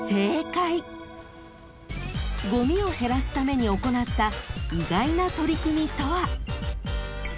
［ごみを減らすために行った意外な取り組みとは］